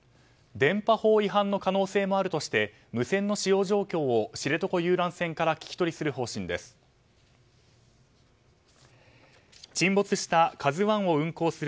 電波法違反の可能性もあるとして無線の使用状況を知床遊覧船から聞き取りする方針です。